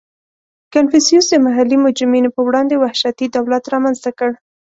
• کنفوسیوس د محلي مجرمینو په وړاندې وحشتي دولت رامنځته کړ.